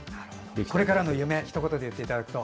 これからの夢をひと言で言っていただくと。